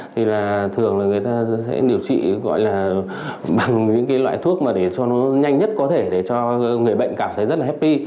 thì là thường là người ta sẽ điều trị gọi là bằng những cái loại thuốc mà để cho nó nhanh nhất có thể để cho người bệnh cảm thấy rất là happy